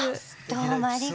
どうもありがとう。